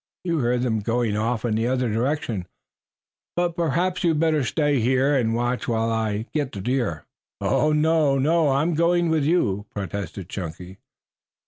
You heard them going off in the other direction, but perhaps you had better stay here and watch while I get the deer." "No, no, I'm going with you," protested Chunky.